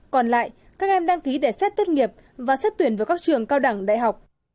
còn lại các em đăng ký để xét tốt nghiệp và xét tuyển vào các trường cao đẳng đại học